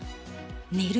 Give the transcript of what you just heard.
「寝る」